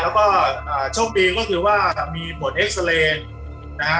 แล้วก็โชคดีก็คือว่ามีผลเอ็กซาเรย์นะฮะ